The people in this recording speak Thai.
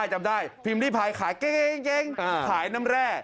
จำได้พิมพ์ริพายขายเก้งขายน้ำแร่